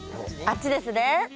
あっちですね。